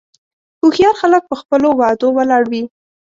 هوښیار خلک په خپلو وعدو ولاړ وي.